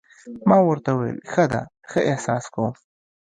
ما ورته وویل: ښه ده، ښه احساس کوم.